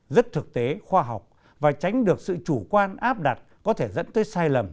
rất thực tế khoa học và tránh được sự chủ quan áp đặt có thể dẫn tới sai lầm